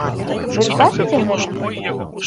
Вы ж бачыце гэта?